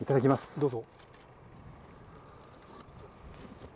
どうぞ。